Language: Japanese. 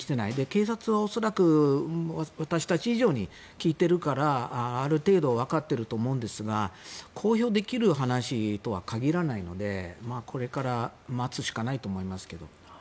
警察は恐らく、私たち以上に聞いているからある程度わかっていると思うんですが公表できる話とは限らないのでこれから待つしかないと思いますけど。